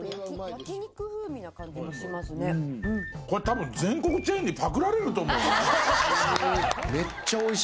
これ多分全国チェーンにパクられると思う。